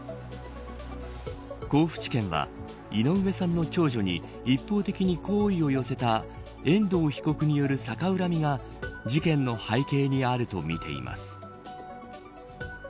甲府地検は、井上さんの長女に一方的に好意を寄せた遠藤被告による逆恨みが事件の背景にあるとみています。